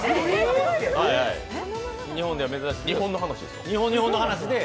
日本では珍しい、日本の話です。